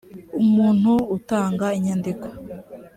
umuntu utanga inyandiko